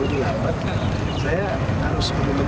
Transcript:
jadi kebiasaan saya kalau saya bicara di publik